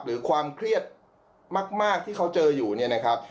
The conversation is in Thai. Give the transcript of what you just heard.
หรือความเครียดมากที่เขาเจออยู่เนี่ยนะครับ